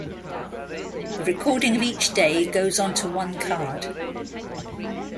The recording of each day goes onto one card.